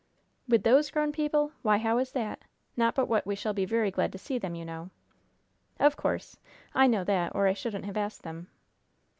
"With those grown people! Why, how is that? Not but what we shall be very glad to see them, you know." "Of course. I know that, or I shouldn't have asked them."